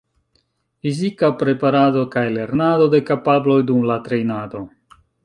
Fizika preparado kaj lernado de kapabloj dum la trejnado.